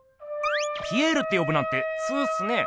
ピエールってよぶなんてツウっすね。